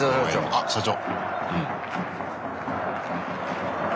あっ社長。